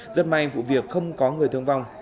rất may vụ việc không có người thương vong